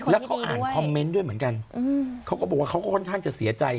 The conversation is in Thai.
แล้วเขาอ่านคอมเมนต์ด้วยเหมือนกันเขาก็บอกว่าเขาก็ค่อนข้างจะเสียใจ